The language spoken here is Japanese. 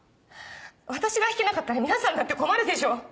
私が弾けなかったら皆さんだって困るでしょう。